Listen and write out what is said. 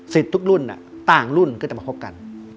สิทธิ์ทุกรุ่นต่างรุ่นก็จะมาพบกัน